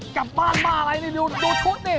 กลับบ้านมาอะไรนี่ดูชุดนี่